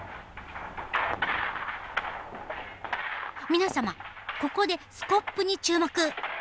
皆様ここでスコップに注目。